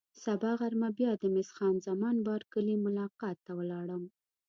سبا غرمه بیا د مس خان زمان بارکلي ملاقات ته ولاړم.